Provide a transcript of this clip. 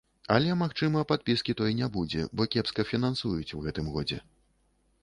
Але, магчыма, падпіскі той не будзе, бо кепска фінансуюць у гэтым годзе.